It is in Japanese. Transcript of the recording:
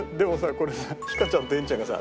これさひかちゃんとえんちゃんがさ